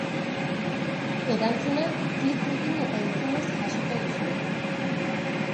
Erantzuna, klik egin eta entzunez jasoko duzue.